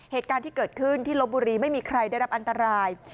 เหตุการณ์ที่เกิดขึ้นที่ลบบุรีไม่มีใครได้รับอันตราย